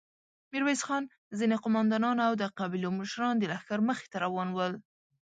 ميرويس خان، ځينې قوماندانان او د قبيلو مشران د لښکر مخې ته روان ول.